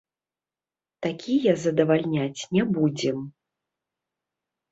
Такія задавальняць не будзем.